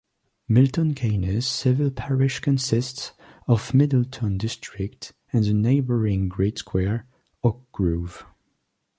Milton Keynes civil parish consists of Middleton district and the neighbouring grid-square, Oakgrove.